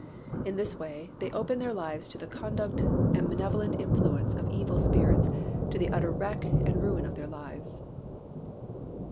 In this way, they open their lives to the conduct and malevolent influence of evil spirits to the utter wreck and ruin of their lives.